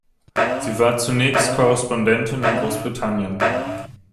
Sie war zunächst Korrespondentin in Großbritannien.